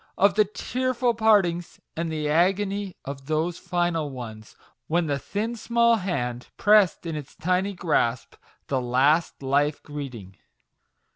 of the tearful partings, and the agony of those final ones, when the thin, small hand, pressed in its tiny grasp the last life greeting